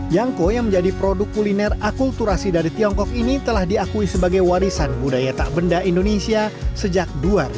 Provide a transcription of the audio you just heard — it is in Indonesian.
yangko yang menjadi produk kuliner akulturasi dari tiongkok ini telah diakui sebagai warisan budaya tak benda indonesia sejak dua ribu